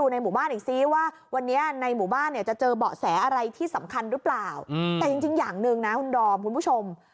ในหมู่บ้านเนี่ยจะเจอเบาะแสอะไรที่สำคัญหรือเปล่าอืมแต่จริงจริงอย่างหนึ่งน่ะคุณดอมคุณผู้ชม